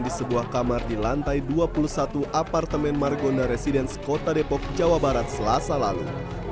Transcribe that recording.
di sebuah kamar di lantai dua puluh satu apartemen margonda residence kota depok jawa barat selasa lalu